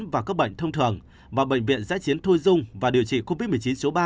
và các bệnh thông thường và bệnh viện giã chiến thôi dung và điều trị covid một mươi chín số ba